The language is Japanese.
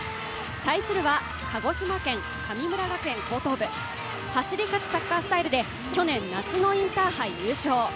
対するは鹿児島県・神村学園高等部走り勝つサッカースタイルで、去年夏のインターハイ優勝。